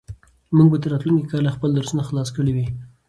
موږ به تر راتلونکي کاله خپل درسونه خلاص کړي وي.